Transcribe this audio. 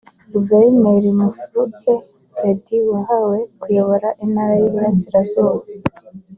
Guverineri Mufulukye Fred wahawe kuyobora Intara y’Iburasirazuba